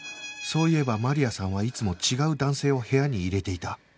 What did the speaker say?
そういえばマリアさんはいつも違う男性を部屋に入れていた